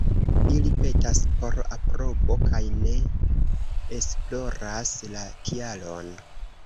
Ili petas por aprobo kaj ne esploras la kialon.